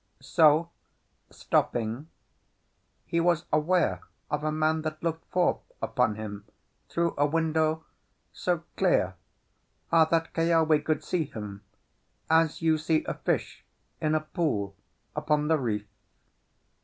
So stopping, he was aware of a man that looked forth upon him through a window so clear that Keawe could see him as you see a fish in a pool upon the reef.